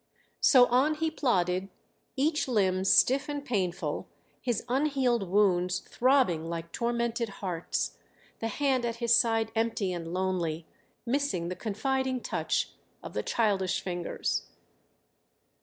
So on he plodded, each limb stiff and painful, his unhealed wounds throbbing like tormented hearts, the hand at his side empty and lonely, missing the confiding touch of the childish fingers.